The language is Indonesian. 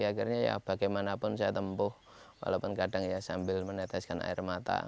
akhirnya ya bagaimanapun saya tempuh walaupun kadang ya sambil meneteskan air mata